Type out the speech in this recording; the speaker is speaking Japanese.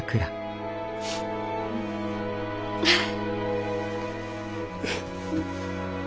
うん。